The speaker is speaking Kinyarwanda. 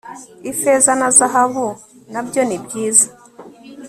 ifeza na zahabu nabyo nibyiza